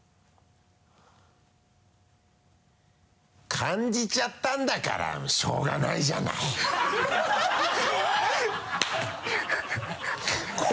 「感じちゃったんだからしょうがないじゃない」ハハハ